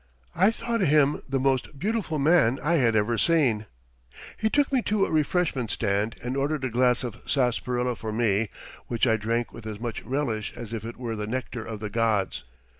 I thought him the most beautiful man I had ever seen. He took me to a refreshment stand and ordered a glass of sarsaparilla for me, which I drank with as much relish as if it were the nectar of the gods.